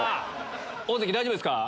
大関大丈夫ですか？